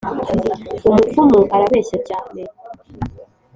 Umupfumu arabeshya cyane.